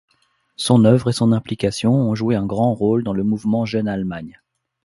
Son œuvre et son implication ont joué un grand rôle dans le mouvement Jeune-Allemagne.